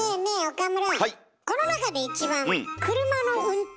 岡村